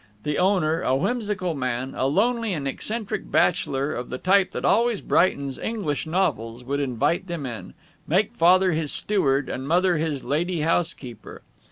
The owner, a whimsical man, a lonely and eccentric bachelor of the type that always brightens English novels, would invite them in, make Father his steward and Mother his lady housekeeper.